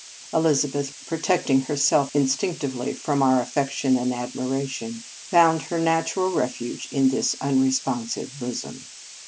Elizabeth, protecting herself instinc tively from our affection and admira tion, found her natural refuge in this unresponsive bosom.